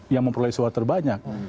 yang memperoleh suara terbanyak